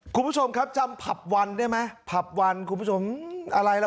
คุณผู้ชมครับจำผับวันได้ไหมผับวันคุณผู้ชมอะไรล่ะ